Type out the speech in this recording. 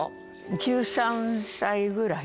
１３歳ぐらい？